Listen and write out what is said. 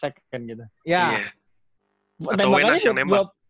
atau wenas yang nembak